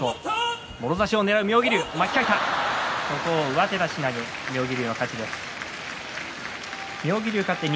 上手出し投げ妙義龍の勝ちです。